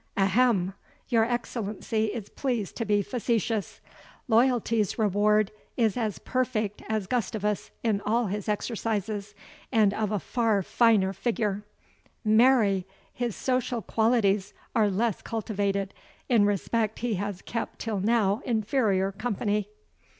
"Ahem! your Excellency is pleased to be facetious. Loyalty's Reward is as perfect as Gustavus in all his exercises, and of a far finer figure. Marry! his social qualities are less cultivated, in respect he has kept till now inferior company."